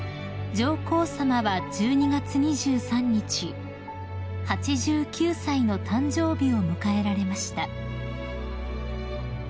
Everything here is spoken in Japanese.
［上皇さまは１２月２３日８９歳の誕生日を迎えられました］